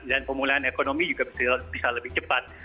dan pemulaan ekonomi juga bisa lebih cepat